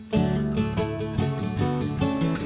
ketika itu dia itu menang